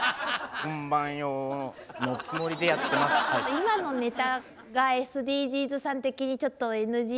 今のネタがＳＤＧｓさん的にちょっとＮＧで。